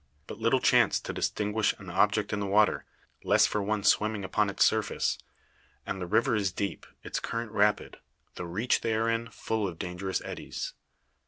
But little chance to distinguish an object in the water less for one swimming upon its surface. And the river is deep, its current rapid, the "reach" they are in, full of dangerous eddies.